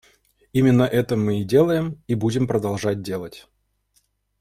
Именно это мы и делаем и будем продолжать делать.